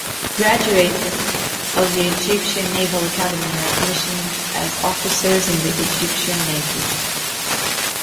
Graduates of the Egyptian Naval Academy are commissioned as officers in the Egyptian Navy.